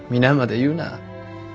皆まで言うな。